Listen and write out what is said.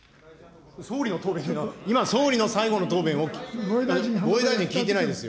総理の答弁が、今、総理の最後の防衛大臣に聞いてないですよ。